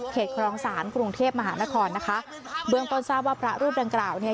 ครองศาลกรุงเทพมหานครนะคะเบื้องต้นทราบว่าพระรูปดังกล่าวเนี่ย